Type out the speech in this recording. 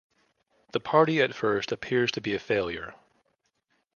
The party at first appears to be a failure.